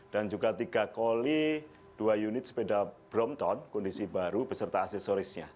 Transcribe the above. dan juga tiga koli dua unit sepeda brompton kondisi baru beserta aksesorisnya